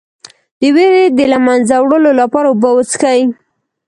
د ویرې د له منځه وړلو لپاره اوبه وڅښئ